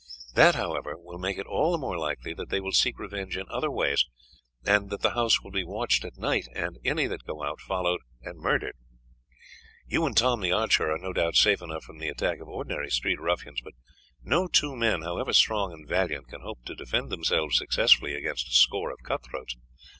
That, however, will make it all the more likely that they will seek revenge in other ways, and that the house will be watched at night and any that go out followed and murdered. "You and Tom the archer are no doubt safe enough from the attack of ordinary street ruffians, but no two men, however strong and valiant, can hope to defend themselves successfully against a score of cut throats.